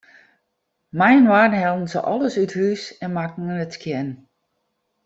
Mei-inoar hellen se alles út it hús en makken it skjin.